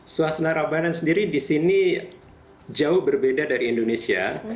suasana ramadan sendiri di sini jauh berbeda dari indonesia